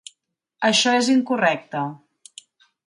Això és incorrecte.